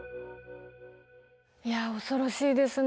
いや恐ろしいですね。